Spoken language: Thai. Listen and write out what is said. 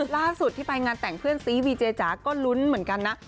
ล่าสุดที่ไปงานแต่งเพื่อนซีวีเจจ๋าก็ลุ้นเหมือนกันนะ